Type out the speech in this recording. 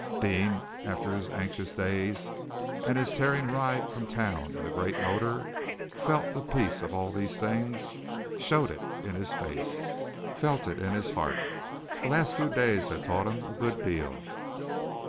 Deane, after his anxious days and his tearing ride from town in the great motor, felt the peace of all these things, showed it in his face, felt it in his heart. The last few days had taught him a good deal.